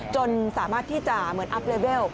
จนสามารถที่จะเหมือนอัพเลเวล